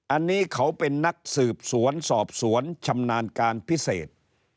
อันนี้เขาเป็นนักสืบสวนสอบสวนชำนาญการพิเศษ